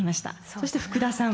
そして福田さん